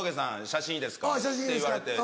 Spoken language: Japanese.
写真いいですか？」って言われて。